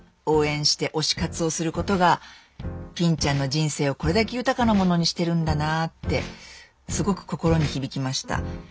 応援して推し活をすることがぴんちゃんの人生をこれだけ豊かなものにしてるんだなぁってすごく心に響きました。